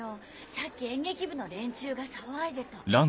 さっき演劇部の連中が騒いでた。